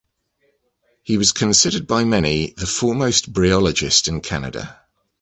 He was considered by many "the foremost bryologist in Canada".